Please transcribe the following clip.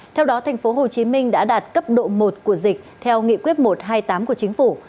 theo đó tp hcm đã đạt cấp độ một của dịch theo nghị quyết một trăm hai mươi tám của chính phủ